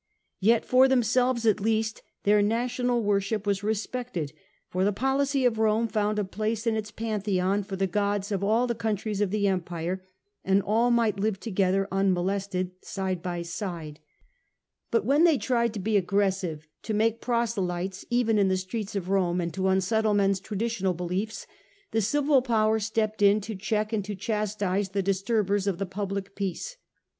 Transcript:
Yet for themselves at least their national worship was respected, for the policy of Rome found a place in its pantheon for the gods of all the countries of the Empire, and all might live together unmolested side by side. A. H K 1 30 The Age of the Antonines. ch. vi But when they tried to be aggressive, to make proselytes even in the streets of Rome, and to unsettle men's traditional beliefs, the civil power stepped in to check and to chastise the disturbers of the public peace.